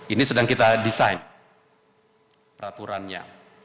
ini sedang kita desain peraturannya